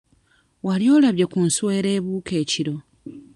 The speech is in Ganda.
Wali olabye ku nswera ebuuka ekiro?